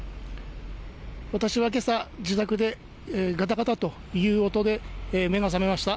私はけさ、自宅でがたがたという音で目が覚めました。